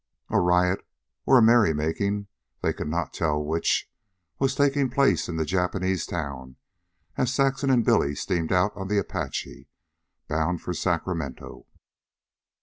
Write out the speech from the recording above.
A riot, or a merry making they could not tell which was taking place in the Japanese town, as Saxon and Billy steamed out on the Apache, bound for Sacramento.